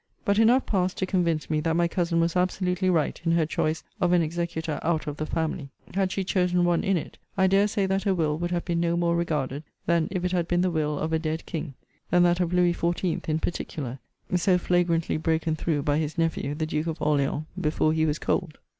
But enough passed to convince me that my cousin was absolutely right in her choice of an executor out of the family. Had she chosen one in it, I dare say that her will would have been no more regarded than if it had been the will of a dead king; than that of Lousi XIV. in particular; so flagrantly broken through by his nephew the Duke of Orleans before he was cold.